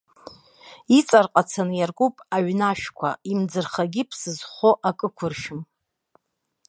Иҵарҟацаны иаркуп иҩны ашәқәа, имӡырхагьы ԥсы зхоу акы ықәыршәым.